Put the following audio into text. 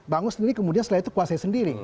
bangun sendiri kemudian setelah itu kuasai sendiri